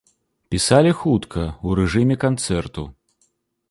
Пісалі хутка, у рэжыме канцэрту.